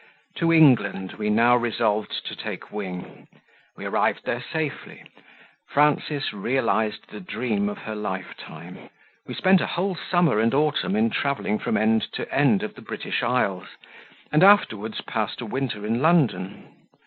To England we now resolved to take wing; we arrived there safely; Frances realized the dream of her lifetime. We spent a whole summer and autumn in travelling from end to end of the British islands, and afterwards passed a winter in London.